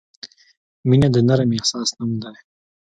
• مینه د نرم احساس نوم دی.